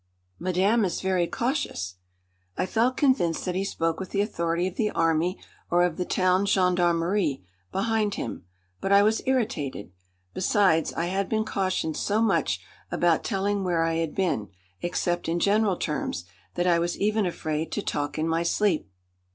"Madame is very cautious!" I felt convinced that he spoke with the authority of the army, or of the town gendarmerie, behind him. But I was irritated. Besides, I had been cautioned so much about telling where I had been, except in general terms, that I was even afraid to talk in my sleep.